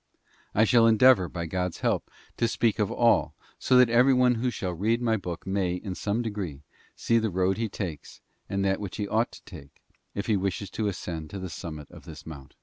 I shall endeavour, by God's help, to speak of all, so that everyone who shall read my book may, in some degree, see the road he takes, and that which he ought to take, if he wishes to ascend to the summit of this mount.